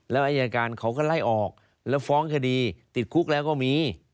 แล้วอายการเขาก็ไล่ออกแล้วฟ้องคดีติดคุกแล้วก็มี